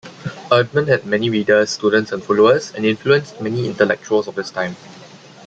Erdmann had many readers, students and followers, and influenced many intellectuals of his time.